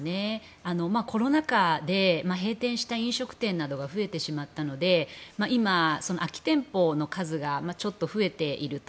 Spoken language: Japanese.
コロナ禍で閉店した飲食店などが増えてしまったので今、空き店舗の数がちょっと増えていると。